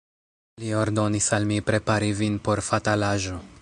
Li ordonis al mi prepari vin por fatalaĵo.